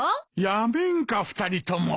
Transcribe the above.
やめんか２人とも。